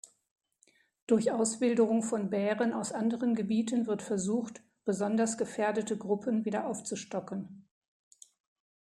Durch Auswilderung von Bären aus anderen Gebieten wird versucht, besonders gefährdete Gruppen wieder aufzustocken.